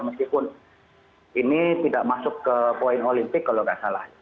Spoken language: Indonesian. meskipun ini tidak masuk ke poin olimpik kalau tidak salah